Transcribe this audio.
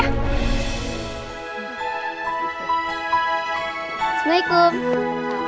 udah sana pulang tidur cepet ya